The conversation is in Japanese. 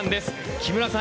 木村さん